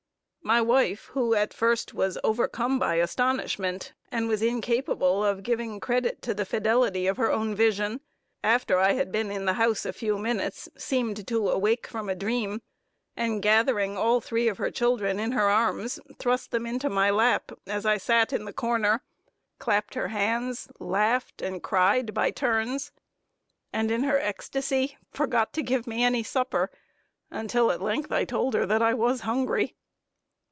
My wife, who at first was overcome by astonishment at seeing me again in her cabin, and was incapable of giving credit to the fidelity of her own vision, after I had been in the house a few minutes, seemed to awake from a dream; and gathering all three of her children in her arms, thrust them into my lap, as I sat in the corner, clapped her hands, laughed, and cried by turns; and in her ecstasy forgot to give me any supper, until I at length told her that I was hungry.